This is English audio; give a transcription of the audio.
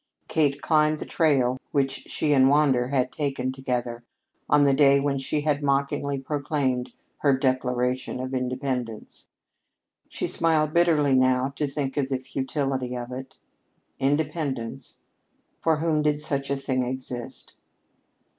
Kate climbed the trail which she and Wander had taken together on the day when she had mockingly proclaimed her declaration of independence. She smiled bitterly now to think of the futility of it. Independence? For whom did such a thing exist?